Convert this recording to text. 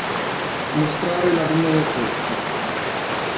Mostrare la luna nel pozzo.